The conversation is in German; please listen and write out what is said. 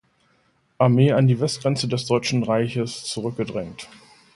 Armee an die Westgrenze des Deutschen Reiches zurückgedrängt.